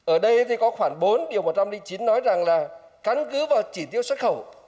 ở đây thì có khoảng bốn điều một trăm linh chín nói rằng là căn cứ vào chỉ tiêu xuất khẩu